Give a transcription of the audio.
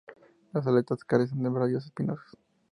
Las aletas carecen de radios espinosos.